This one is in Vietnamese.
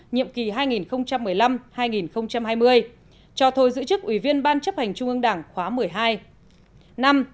nhiệm kỳ hai nghìn một mươi năm hai nghìn hai mươi cho thôi giữ chức ủy viên ban chấp hành trung ương đảng khóa một mươi hai